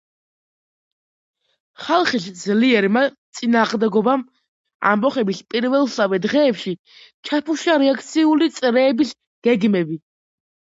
ხალხის ძლიერმა წინააღმდეგობამ ამბოხების პირველსავე დღეებში ჩაფუშა რეაქციული წრეების გეგმები.